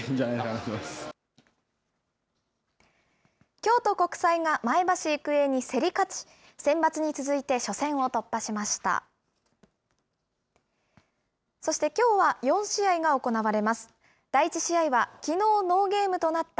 京都国際が前橋育英に競り勝ち、センバツに続いて初戦を突破しました。